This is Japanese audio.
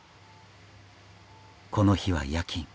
この日は夜勤。